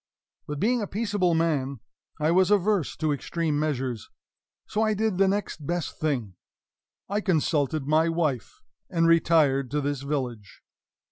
But, being a peaceable man, I was averse to extreme measures. So I did the next best thing consulted my wife, and retired to this village.